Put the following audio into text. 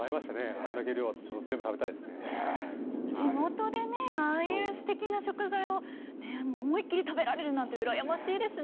あんだけ量あって、地元でね、ああいうすてきな食材を、思いっきり食べられるなんて、羨ましいですね。